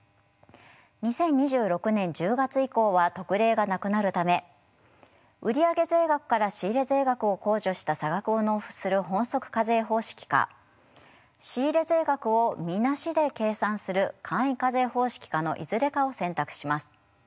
２０２６年１０月以降は特例がなくなるため売り上げ税額から仕入れ税額を控除した差額を納付する本則課税方式か仕入れ税額を見なしで計算する簡易課税方式かのいずれかを選択します。